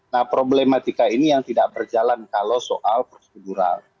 nah problematika ini yang tidak berjalan kalau soal prosedural